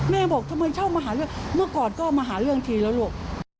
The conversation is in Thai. บอกทำไมเช่ามาหาเรื่องเมื่อก่อนก็มาหาเรื่องทีแล้วลูก